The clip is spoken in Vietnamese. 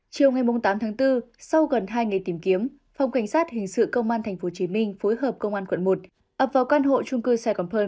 chiều ngày tám tháng bốn sau gần hai ngày tìm kiếm phòng cảnh sát hình sự công an tp hcm phối hợp công an quận một ập vào căn hộ trung cư sài gòn pear